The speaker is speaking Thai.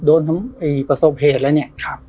โดนทำไมไอประชอบเหตุแล้วเนี่ยครับ